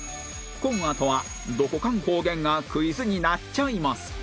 こんあとはどこかん方言がクイズになっちょいもす